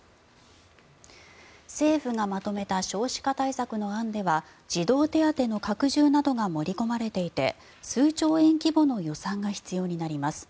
政府がまとめた少子化対策の案では児童手当の拡充などが盛り込まれていて数兆円規模の予算が必要になります。